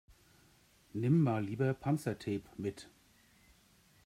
Nimm mal lieber Panzertape mit.